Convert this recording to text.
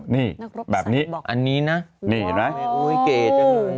นี่แบบนี้นี่เห็นไหมโอ้ยเก่จังเลย